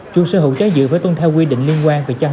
chú sở hữu chó dữ phải tuân theo quy định liên quan về chăn